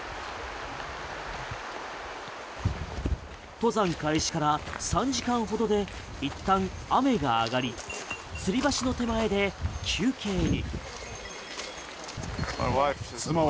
登山開始から３時間ほどでいったん雨が上がりつり橋の手前で休憩に。